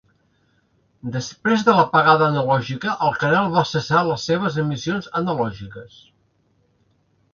Després de l'apagada analògica, el canal va cessar les seves emissions analògiques.